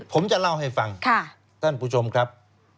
ผมจะเล่าให้ฟังท่านผู้ชมครับ